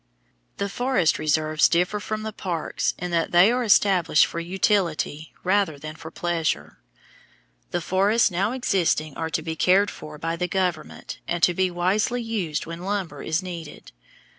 The forest reserves differ from the parks in that they are established for utility rather than for pleasure. The forests now existing are to be cared for by the government and to be wisely used when lumber is needed.